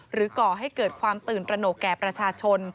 ก่อให้เกิดความตื่นตระหนกแก่ประชาชน